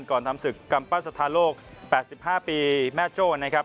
ก่อนทำศึกกำปั้นสถานโลกแปดสิบห้าปีแม่โจทย์นะครับ